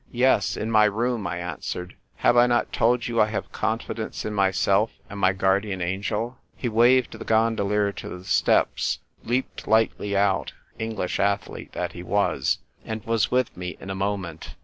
" Yes, in my room," I answered. " Have I not told you I have confidence in myself and my guardian angel ?" He waved the gondolier to the steps, leaped lightly out, English athlete that he was, and was with me in a moment.